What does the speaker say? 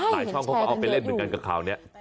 ช่องเขาก็เอาไปเล่นเหมือนกันกับข่าวนี้